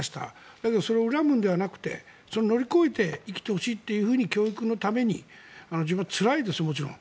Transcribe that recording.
だけどそれを恨むのではなくて乗り越えて生きてほしいと教育のために自分はつらいです、もちろん。